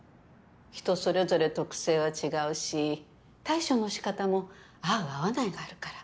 人それぞれ特性は違うし対処の仕方も合う合わないがあるから。